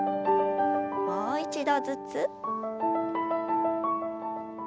もう一度ずつ。